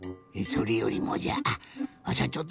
それよりもじゃわしゃ